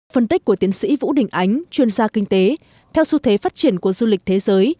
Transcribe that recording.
phân tích của tiến sĩ vũ đình ánh chuyên gia kinh tế theo xu thế phát triển của du lịch thế giới